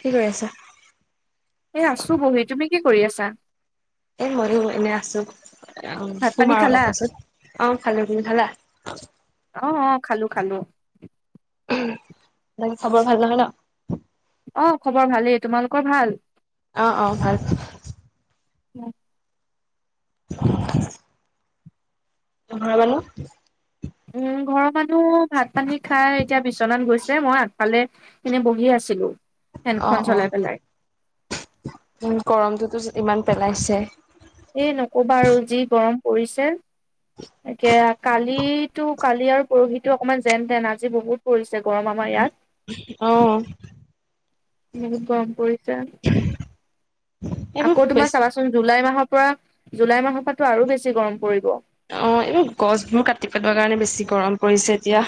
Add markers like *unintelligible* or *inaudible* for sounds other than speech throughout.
কি কৰি আছা। এ আছো বহি তুমি কি কৰি আছা। এ সৰু এনে আছো। অ ভাত পানী শুম আৰু খালা অলপ পিছত অ খালে তুমি খালা অ। অ অ খালো খালো। উ তাকে খাবৰ ভাল নহয় ন। অ খবৰ ভালেই তোমালোকৰ ভাল। অ অ ভাল। *unintelligible* ঘৰৰ মানুহ। উম ঘৰৰ মানুহ ভাত পানী খাই এতিয়া বিচনাত গৈছে মই আগফালে। এনে বহি আছিলো। অ ফেনখন অ চলাই পেলাই উ গৰমটোতো ইমান পেলাইছে। এই নকবা আৰু যি গৰম পৰিছে। তাকে কালিটো কালি আৰু পৰহিতো অকনমান যেন তেন আজি বহুত। পৰিছে গৰম আমাৰ অ ইয়াত বহুত গৰম পৰিছে। এইবোৰ আকৌ তোমাৰ বেছ চাবাচোন জুলাই মাহৰ পৰা জুলাই মাহৰ পৰাতো আৰু বেছি গৰম পৰিব। অ এইবোৰ গছবোৰ কাটি পেলোৱাৰ কাৰণে বেছি গৰম পৰিছে এতিয়া।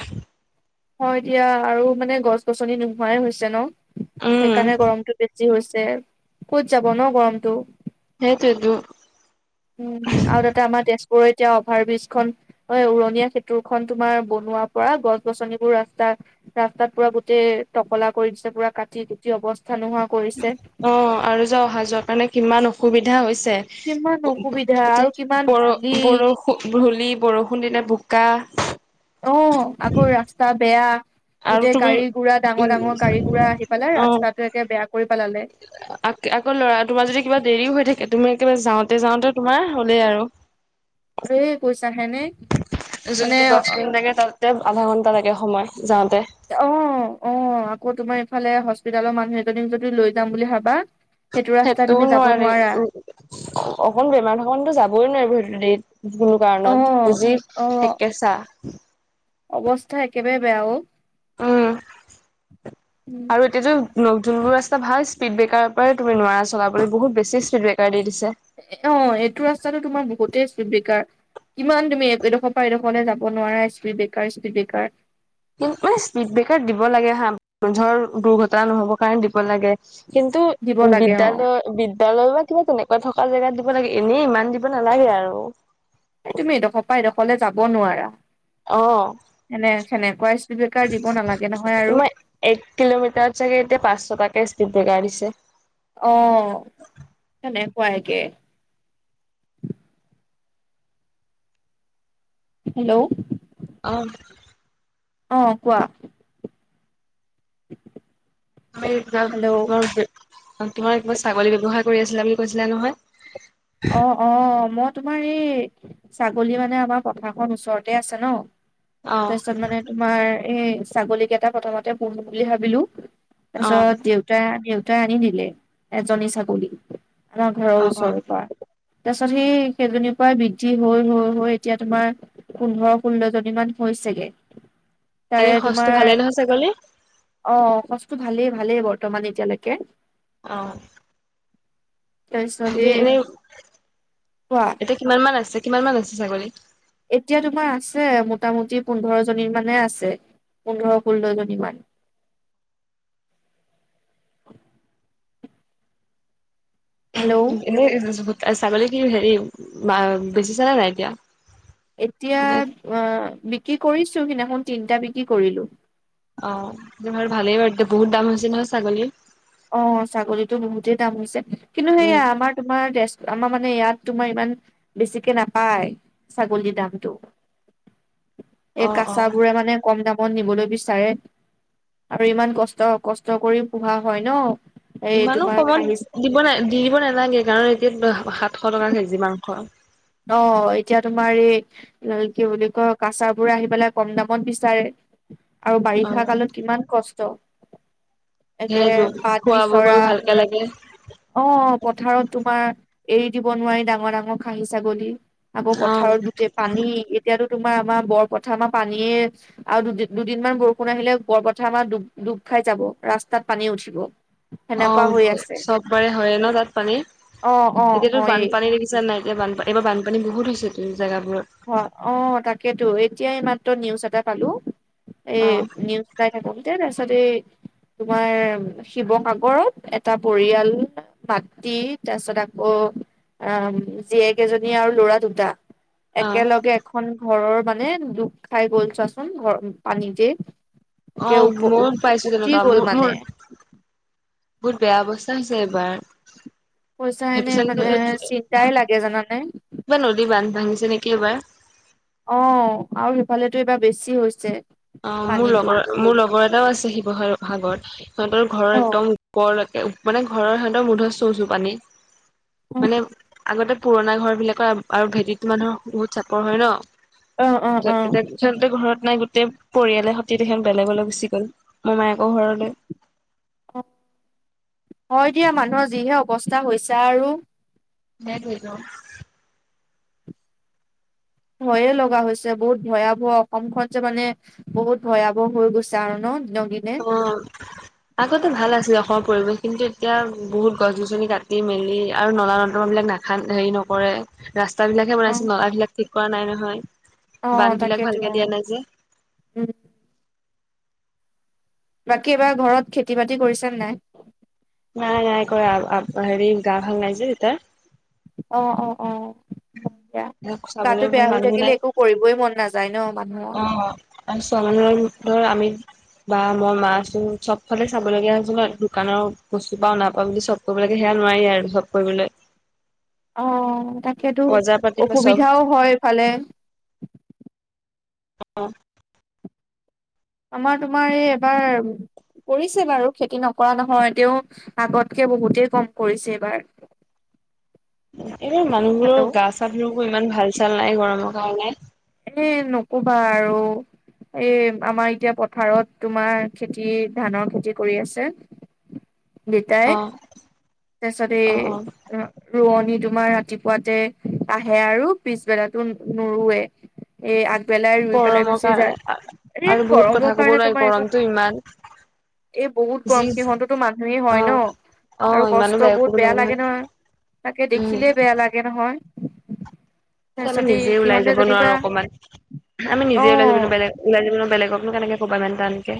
হয় এতিয়া আৰু মানে গছ গছনি নোহোৱাই হৈছে ন উম সেইকাৰণে গৰমটো বেছি। যি হৈছে ক'ত যাব ন গৰমটো। সেইটোয়েতো। উম আৰু তাতে আমাৰ তেজপুৰৰ এতিয়া অভাৰ ব্ৰীজ খন অ উৰণীয়া সেতুৰ খন তোমাৰ বনোৱাৰ পৰা গছ -গছনিবোৰ ৰাস্তা ৰাস্তাত পুৰা গোটেই টকলা কৰি দিছে পুৰা কাটি কুটি অৱস্থা নোহোৱা কৰিছে। অ আৰু যাওঁ অহা যোৱা কাৰণে কিমান অসুবিধা হৈছে। কিমান অসুবিধা আৰু এতিয়া কিমান বৰ ধূলি বৰষুণ ধূলি বৰষুণ দিলে বোকা। অ আকৌ ৰাস্তা বেয়া। আৰু গোটেই তুমি গাড়ী গুড়া ডাঙৰ উম ডাঙৰ গাড়ী গুৰা আহি পেলাই অ ৰাস্তাটো একে বেয়া কৰি পেলালে। আকৌ ল'ৰা তোমাৰ যদি কিবা দেৰিও হৈ থাকে তুমি একেবাৰে যাওঁতে যাওঁতে তোমাৰ হ'লেই আৰু। ধেই কৈছাহে নে। যোনটো দহ মিনিট লাগে তাতে আধা ঘন্টা লাগে সময় যাওঁতে। অ অ আকৌ তোমাৰ ইফালে হস্পিতেলৰ মানুহ এজনীক যদি লৈ যাম বুলি ভাবা। সেইটো ৰাস্তাই তুমি যাব নোৱাৰা। অকমান বেমাৰ থকতো যাবই নোৱাৰিব সেইটো দেইত। ভুল কাৰণত অ', বুজি অ', ঠেকেছা। অৱস্থা একেবাৰে বেয়া অ, উম ত এতিয়াতো নখ যোনবোৰ ৰাস্তা ভাল স্পীড ব্ৰেকাৰ পৰাই তুমি নোৱাৰা চলাবলে বহুত বেছি স্পীড ব্ৰেকাৰ দি দিছে এ অ এইটো ৰাস্তাটো তোমাৰ বহুতেই স্পীড ব্ৰেকাৰ কিমান তুমি এডোখৰ পৰা এডোখৰলে যাব নোৱাৰা স্পীড ব্ৰেকাৰ স্পীড ব্ৰেকাৰ কিন্তু স্পীড ব্ৰেকাৰ দিব লাগে হা ধৰ দুৰ্ঘটনা নহ'বৰ কাৰণে দিব লাগে কিন্তু দিব লাগে অ', বিদ্যালয় বিদ্যালয় বা কিবা তেনেকুৱা থকা জেগাত দিব লাগে এনেই ইমান দিব নালাগে আৰু এ তুমি এড'খ পৰা এডখৰলে যাব নোৱাৰা অ সেনে সেনেকুৱা স্পীড ব্ৰেকাৰ দিব নালাগে নহয় আৰু তোমাৰ এক কিলোমিটাৰত চাগে এতিয়া পাঁচ, ছটাকে স্পীড ব্ৰেকাৰ দিছে অ সনেকুৱা একে হেল্ল' অ অ কোৱা তোমাৰ হেল্ল' কিবা ছাগলী ব্যৱসায় কৰি আছিলা বুলি কৈছিলা নহয় অ অ মই তোমাৰ এই ছাগলী মানে আমাৰ পথাৰখন ওচৰতে আছে ন অ তাৰপিছত মানে তোমাৰ এই ছাগলী কেইটা প্ৰথমতে পুহিম বুলি ভাবিলো অ তাৰপিছত দেউতা দেউতাই আনি দিলে এজনী ছাগলী আমা ঘৰৰ অ অ ওচৰৰ পৰা তাৰপিছত সেই কেইজনীৰ পৰাই বৃদ্ধি হৈ হৈ হৈ এতিয়া তোমাৰ পোন্ধৰ, ষোল্ল জনীমান হৈছেগে এনে তাৰে সচটো তোমাৰ ভালেই নহয় ছাগলী অ সচটো ভালেই ভালেই বৰ্তমান এতিয়ালৈকে অ তাৰপিছত এই এনে কোৱা এতিয়া কিমান মান আছে, কিমান মান আছে ছাগলী এতিয়া তোমাৰ আছে মোটামুটি পোন্ধৰ জনী মানে আছে পোন্ধৰ, ষোল্লজনী মান হেল্ল' এনেই ছাগলী কি হেৰি মা বেছিচানে নাই এতিয়া এতিয়া মানে অ বিক্ৰী কৰিছো সিইনাখন তিনটা বিক্ৰী কৰিলোঁ অ তোমাৰ ভালেই বাৰু দে বহুত দাম হৈছে নহয় ছাগলী অ ছাগলীতো বহুতেই দাম হৈছে কিন্তু উম, সেইয়া আমাৰ তোমাৰ আমাৰ মানে ইয়াত তোমাৰ ইমান বেছিকে নাপায় ছাগলীৰ দামতটো এ অ' অ' কাছাবোৰে মানে কম দামত নিবলৈ বিচাৰে আৰু ইমান কষ্ট কষ্ট কৰি পোহা হয় ন এই ইমানো তোমাৰ কমত খাহী দিব না দি দিব নালাগে কাৰণ এতিয়া সাতশ টকা কেজি মাংস অ এতিয়া তোমাৰ এই কি বুলি কয় কাছাৰ বোৰে আহি পেলাই কম দামত বিচাৰে আৰু বাৰিষা অ' কালত কিমান কষ্ট তাকে সেইটো পাত খোৱা বোৱা বিচৰা কৰি ভালকে লাগে। অ পথাৰত তোমাৰ এৰি দিব নোৱাৰি ডাঙৰ ডাঙৰ খাহী ছাগলী আকৌ অ' পথাৰত গোটেই পানী এতিয়াতো তোমাৰ আমাৰ বৰপথাৰ আমাৰ পানীয়ে আৰু দুদিন দুদিনমান বৰষুণ আহিলে ওপৰপথাৰ আমাৰ ডু ডুব খাই যাব ৰাস্তাত পানী উঠিব। অ সেনেকুৱা হৈ আছে চব বাৰে হয়ে ন তাত পানী অ অ এতিয়াতো হয়েই বানপানী দেখিছা নাই? এই বানপানী এইবাৰ বানপানী বহুত হৈছে জেগাবোৰত। হয় অ তাকেতো এতিয়া ই মাত্ৰ নিউজ এটা পালো এই অ' নিউজ। যাই থাকতে তেছতে। তোমাৰ শিৱসাগৰত এটা পৰিয়াল। মাতৃ তাৰপিছত আকৌ আ জীয়েক এজনী আৰু ল'ৰা দুটা। অ' একেলগে এখন ঘৰৰ মানে দুপ খাই গ'ল চোৱাচোন ঘৰ পানীতে। অ একে উপ ময় পাইছো উটি তেনেকুৱা গ'ল মোৰ মানে মোৰ। বহুত বেয়া অৱস্থা হৈছে এইবাৰ। পইচাই সেইটো নাই মানে চাগে চিন্তাই লাগে জানানে। এইবাৰ নদী বান্ধ ভাঙিছে নেকি এইবাৰ। অ আৰু সিফালেতো এইবাৰ বেছি হৈছে। অ মোৰ পানীতো লগৰ বহুত মোৰ লগৰ এটাও আছে শিৱসাগৰ ভাগত। সিহঁতৰ ঘৰৰ অ একদম ওপৰলৈকে মানে ঘৰৰ সিহঁতৰ মুধচ চোচো পানী।। মানে অ আগতে পুৰণা ঘৰ বিলাকৰ আৰু ভেটিত মানুহৰ বহুত চাপৰ হয় অ ন। য'ত ঘৰত নাই গোটেই। পৰিয়ালৰ সৈতে তেহত বেলেগলৈ গুচি গ'ল মমায়েকৰ ঘৰলে। অ হয় দিয়া মানুহৰ যিহে অৱস্থা হৈছে আৰু। সেইটোৱেতো। ভয়ে লগা হৈছে বহুত ভয়াৱহ অসমখন যে মানে। বহুত ভয়াৱহ হৈ গৈছে আৰু ন দিনক দিনে। অ'। আগতে ভাল আছিল অসমৰ পৰিৱেশ কিন্তু এতিয়া বহুত গছ গছনি কাটি মেলি আৰু নলা নদমা বিলাক নাথে। হেৰি নকৰে ৰাস্তা বিলাকহে অ বনাইছে নলাাবিলাক ঠিক কৰা নাই নহয়। অ বান্ধ বিলাক তাকেইতো ভালকে অ দিয়া নাই যে উম। বাকী এবাৰ ঘৰত খেতি বাতি কৰিছে নে নাই। নাই নাই কৰা হেৰি গা ভাল নাই যে এই তাৰ। অ অ অ। চাবলৈ গাটো বেয়া হৈ মানুহো থাকিলে নাই একো কৰিবই মন নাযায় ন মানুহৰ। অ আৰু চন উতৰ আমি। বা মই মা আছো চব ফালে চাবলগীয়া হৈছিল ন দোকানৰ বস্তু পাও নাপাওঁ বুলি চব। কৰিব লাগে সেয়া নোৱাৰি আৰু চব কৰিবলৈ। অ তাকেতো বজাৰ পাতিৰ পৰা চব অসুবিধাও হয় এইফালে। অ। আমাৰ তোমাৰ এই এবাৰ। কৰিছে বাৰু খেতি নকৰা নহয় তেওঁ আগতকে বহুতেই কম কৰিছে এইবাৰ। *unintelligible* এনে মানুহবোৰৰ হেল্ল' গা চা ধুলো ইমান ভাল চাল নাই গৰমৰ কাৰণে। এ নকবা আৰু। এই আমাৰ এতিয়া পথাৰত তোমাৰ খেতি ধানৰ খেতি কৰি আছে। দেতাই অ তাৰপিছত অ অ এই। ৰোৱনী তোমাৰ ৰাতিপুৱাতে আহে আৰু পিছবেলাটো নুৰুৱে। এ আগবেলাই ৰুই পেলাই গৰমৰ গুচি কাৰণে যায়। এ আৰু বহুত কথা গৰমৰ ক'ব কাৰণে নোৱাৰি তোমাৰ একো। গৰমটো ইমান। এই বহুত যি গৰম সিহঁততো মানুহেই অ হয় ন অ আৰু ইমানো কষ্ট ক'ব বহুত বেয়া নোৱাৰি লাগে নহয়। তাকে উম দেখিলেই বেয়া লাগে নহয়। আমি তাৰপিছতে নিজে ওলাই সিহঁতে যাব যেনিবা নোৱাৰো অকমান আমি অ নিজে ওলাই যাব নোৱাৰি ওলাই যাব বেলেগকনো কেনেকে কবা ইমান টানকে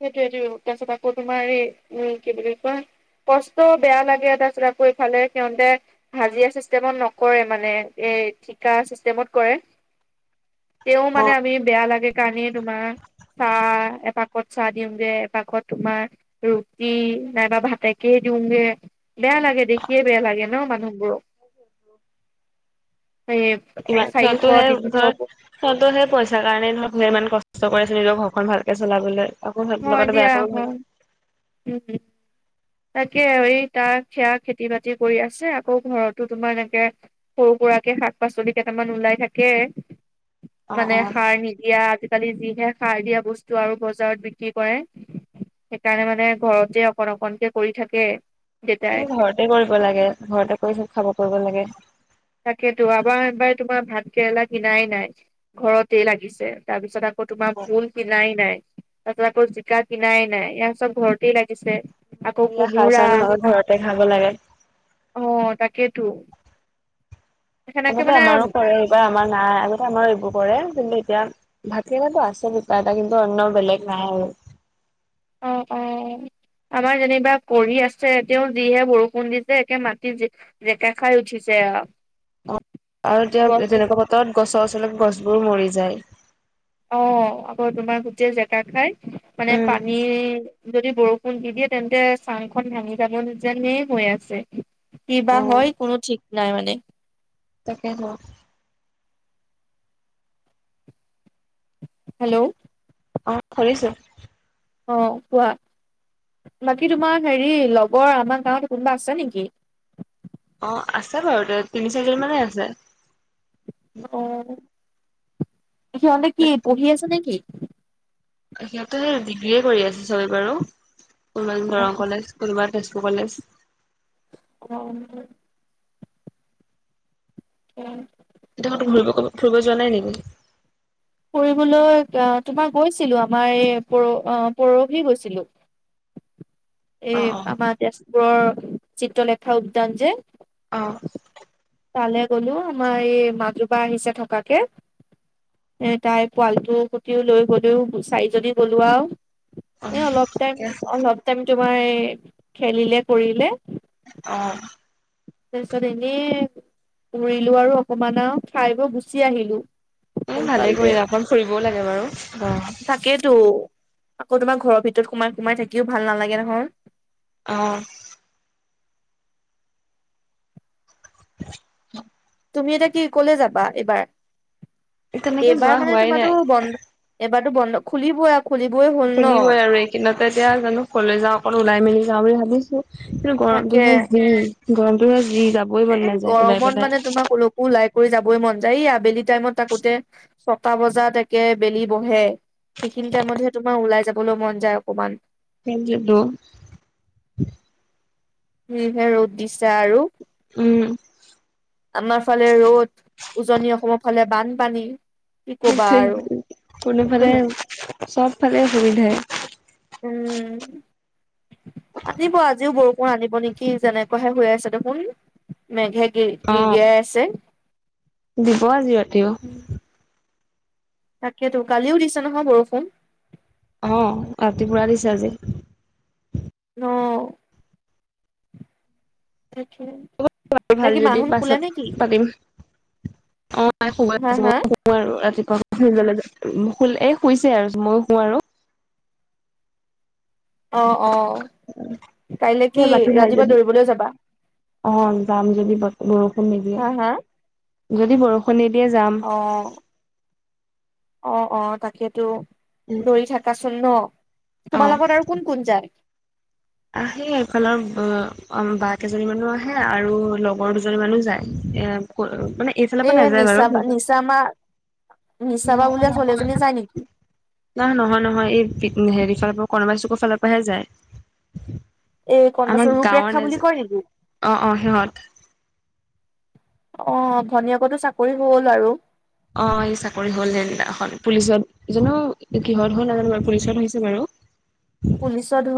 সেইটোৱেইটো তাৰপিছত আকৌ তোমাৰ এই উম কি বুলি কয়। কষ্ট বেয়া লাগে এটা চ কৰি ফালে সিহঁতে হাজিৰা চিষ্টেমত নকৰে মানে এই ঠিকা চিষ্টেমত কৰে। তেওঁ অ মানে আমি বেয়া লাগে কাৰণে তোমাৰ চাহ এপাক পাকত চাহ দিওঁগে পাকত তোমাৰ ৰুটি নাইবা ভাতেকেই দিওগে। বেয়া লাগে দেখিয়ে বেয়া লাগে ন মানুহবোৰক। এই এ চাৰিশ -তিনিশ। তহতো সেই পইচাৰ কাৰণেই ধৰক ইমান কষ্ট নিজৰ ঘৰখন ভালকে চলাবলৈ। আকৌ হাতে হয় লগাটো দিয়া বেয় কৰো। হয় উম উম। তাকে এই তাক সেয়া খেতি বাতি কৰি আছে আকৌ ঘৰতো তোমাৰ এনেকে। সৰু সুৰাকে শাক-পাচলি কেইটামান ওলাই থাকে, অ অ মানে সাৰ নি দিয়া আজিকালি যিহে সাৰ দিয়া বস্তু আৰু বজাৰত বিক্ৰী কৰে। সেইকাৰণে মানে ঘৰতে অকণ অকনকে কৰি থাকে। দেউতাই এ ঘৰতে কৰিব লাগে ঘৰতে কৰি চব খাব কৰিব লাগে। তাকেতো যোৱাবাৰ তোমাৰ ভাত কেৰেলা কিনাই নাই ঘৰতেই লাগিছে। তাৰপিছত আকৌ তোমাৰ ভুল কিনাই নাই। তাৰপিচত আকৌ জিকা কিনাই নাই এয়া চব ঘৰতেই লাগিছে। আকৌ বিয়া খাৰ কোমোৰা চাৰ নোহোৱাকৈ ঘৰতে খাব লাগে। অ তাকেইতো। সেনেকে আগতে মানে আমাৰো কৰে এইবাৰ আমাৰ নাই আগতে আমাৰো এইবোৰ কৰে কিন্তু এতিয়া ভাতকেৰেলাটো আছে দুটা এটা কিন্তু অন্য বেলেগ নাই আৰু। অ পাই। আমাৰ যেনিবা কৰি আছে তেওঁ যিহে বৰষুণ দিছে একে মাটি য যেকা খাই উঠিছে আ। অ তেনেকুৱা বতৰত গছৰ ওচলক গছ বোৰ মৰি যায়। অ আকৌ তোমাৰ গোটেই জেকা খাই মানে উম পানীৰ। যদি বৰষুণ দি দিয়ে তেন্তে চাংখন ভাঙি যাব যেনে হৈ আছে। কি অ বা হয় কোনো ঠিক নাই মানে। তাকে ক। হেল্ল'। অ শুনিছোঁ। অ কোৱা, বাকী তোমাৰ হেৰি লগৰ আমাৰ গাঁৱত কোনোবা আছে নেকি। অ আছে বাৰু তে তিনি চাৰিজন মানে আছে। অ, সিহঁতে কি পঢ়ি আছে নে কি। সিহঁতে সেই ডিগ্ৰীয়ে কৰি আছে চবেই বাৰু, কোনোবা অ দৰং কলেজ, কোনোবা তেজপুৰ কলেজ। হেল্ল। উম। গোটেই খন ফুৰিব গ'ল ফুৰিব যোৱা নাই নেকি। ফুৰিবলৈ যাওঁ তোমাৰ গৈছিলো আমাৰ এই পৰ পৰহি গৈছিলো। অ এই অ আমাৰ তেজপুৰৰ চিত্ৰলেখা উদ্যান যে। অ। তালে গ'লো আমাৰ এই মাজুবা আহিছে থকাকে। এ তাই পোৱালিটো কুটিও লৈ গলো চাৰিজনী গলো আৰু। অ এ অলপ ঠিকে টাইম, আছে অলপ টাইম তোমাৰ খেলিলে কৰিলে। অঁ। তাৰপিছত এনেই, ঘূৰিলো আৰু অকমান আৰু খাই বই গুচি আহিলো। এ ভালে সোনকালতে। কৰিলা অকমান ফুৰিবও লাগে বাৰু, অ। থাকেইতো, আকৌ তোমাৰ ঘৰৰ ভিতৰত সোমাই সোমাই থাকিও ভাল নালাগে নহয়। অঁ। তুমি এতিয়া কি কলে যাবা এইবাৰ, তেনেকে যোৱা এইবাৰ মানে হোৱাই নাই। তোমাৰো বন্ধ এইবাৰতো বন্ধ খুলিবই আ খুলিবই হ'ল। ন। শুলিবই আৰু এইকেইদিনতে এতিয়া জানো কলৈ যাওঁ অক ওলাই মেলি যাওঁ বুলি ভাবিছো। কিন্তু তাকে। গৰমটো যি গৰমটো যি যা এ গৰমত মানে তোমাক কলকো ওলাই কৰি যাবই মন যায় এই আবেলি টাইমত থাকোতে। ছটা বজাত একে বেলি বহে। সেইখিনি টাইমতহে তোমাৰ ওলাই যাবলৈ মন যায় অকণমান। হেঞ্জিত্তো। যি হে ৰ'দ দিছে আৰু। উম। আমাৰ ছোৱালীয়ে ৰ'দ উজনি অসমৰ অসমৰ ফালে বানপানী। কি ক'বা আৰু কোনোফালে উম চবফালে অসুবিধাই। উম। আনিব আজিও বৰষুণ আনিব নেকি যেনেকুৱাহে শু আছে দেখোন। মেঘে গিৰ্ অ'। গিৰগিৰাই আছে। দিব আজি ৰত দিব। তাকেতো কালিও দিছে নহয় বৰষুণ। অ ৰাতিপুৱা দিছে আজি। অ। দেখি। ভাল যদি পাছত পাতিম অ শ হা হা আৰু ৰাতিপুৱা এই শুইছে আৰু মইো শো আৰু হী। অ অ কাইলৈ কি বাকী ভাই ৰাতিপুৱা যদি দৌৰিবলৈ যাবা। অ যাম যদি বৰষুণ নিদিয়ে হা হা যদি বৰষুণ নিদিয়ে যাম। অঁ। অ অ তাকেতো দৌৰি থাকাচোন ন অ তোমাৰ লগত আৰু কোন কোন যায়। আহে এইফালৰ বা কেইজনী মানো আহে আৰু লগৰ দুজনী মানো যায় এ। মানে এইফালৰ পৰা নাযায় বাৰু। যম আ আমাৰ নিচা বা বোলে কলেজ লৈ যাই নেকী। ইমন নহয় নহয় এই হেৰি ফালৰ পৰা কণবা চুকৰ ফালৰ পৰাহে যায়। এই আমাৰ কনবাছৰ গাঁৱৰ ৰূপৰেখা বুলি নাযায় কয় নেকি। অ অ সিহঁত অ ভনীয়েকৰ তো চাকৰি হ'ল আৰু। অ এই চাকৰি হল হেন পুলিচত জানো কিহত হ'ল নাজানো পুলিচত হৈছে বাৰু। পুলিচত ধত।